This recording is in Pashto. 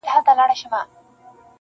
چي یې هیري دښمنۍ سي د کلونو د عمرونو-